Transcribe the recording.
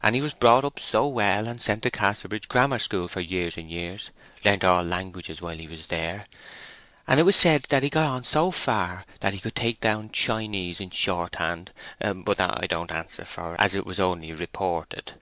And, he was brought up so well, and sent to Casterbridge Grammar School for years and years. Learnt all languages while he was there; and it was said he got on so far that he could take down Chinese in shorthand; but that I don't answer for, as it was only reported.